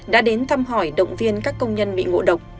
đã đến thăm hỏi động viên các công nhân bị ngộ độc